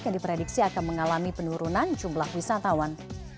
yang diprediksi akan mengalami penurunan jumlah wisatawan